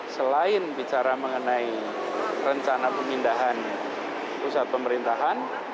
selain bicara mengenai rencana pemindahan pusat pemerintahan